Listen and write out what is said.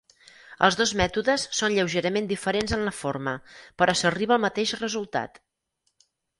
Els dos mètodes són lleugerament diferents en la forma però s'arriba al mateix resultat.